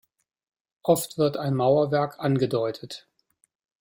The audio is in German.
Oft wird ein Mauerwerk angedeutet.